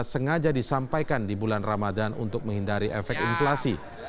sengaja disampaikan di bulan ramadan untuk menghindari efek inflasi